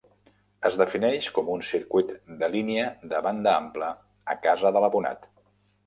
Es defineix com un circuit de línia de banda ampla a casa de l'abonat.